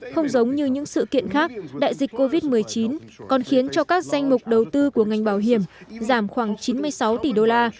không giống như những sự kiện khác đại dịch covid một mươi chín còn khiến cho các danh mục đầu tư của ngành bảo hiểm giảm khoảng chín mươi sáu tỷ đô la